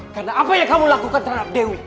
karena apa yang kamu lakukan terhadap dewi